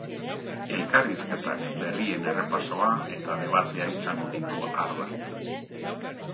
Elkarrizketak, berrien errepasoa eta debatea izango ditu ardatz.